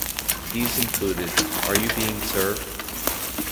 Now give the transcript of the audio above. These included: Are You Being Served?